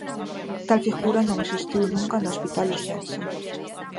Tal figura non existiu nunca no hospital lucense.